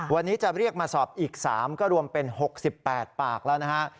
วันนี้จะเรียกมาสอบอีก๓ก็รวมเป็น๖๘ปากแล้วนะฮะ